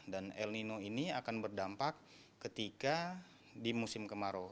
dan el nino ini akan berdampak ketika di musim kemarau